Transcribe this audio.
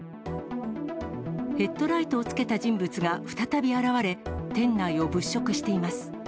ヘッドライトをつけた人物が再び現れ、店内を物色しています。